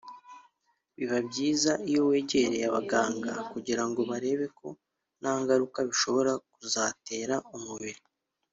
biba byiza iyo wegereye abaganga kugirango barebe ko nta ngaruka bishobora kuzatera umubiri